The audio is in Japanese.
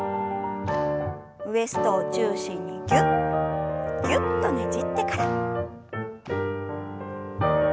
ウエストを中心にギュッギュッとねじってから。